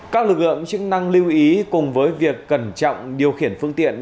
các lực lượng chức năng lưu ý cùng với việc cẩn trọng điều khiển phương tiện